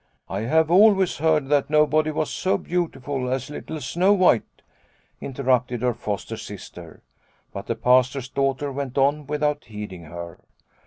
" I have always heard that nobody was so beautiful as little Snow White," interrupted her foster sister, but the Pastor's daughter went on without heeding her.